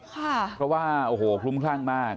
เพราะว่าโอ้โหคลุ้มคลั่งมาก